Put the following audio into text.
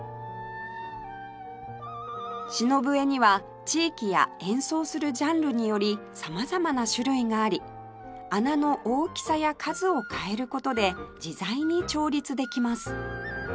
篠笛には地域や演奏するジャンルにより様々な種類があり穴の大きさや数を変える事で自在に調律できます